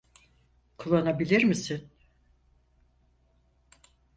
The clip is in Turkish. Kullanabilir misin?